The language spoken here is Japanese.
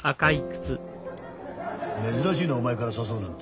珍しいなお前から誘うなんて。